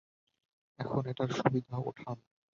এখন এটার সুবিধা উঠান।